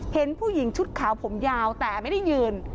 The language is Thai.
เห็นผู้หญิงชุดขาวผมยาวแต่ไม่ได้ยืน